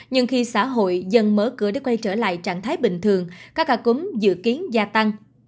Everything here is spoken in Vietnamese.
nhưng khi xã hội dần mở cửa để quay trở lại trạng thái bình thường các ca cúm dự kiến gia tăng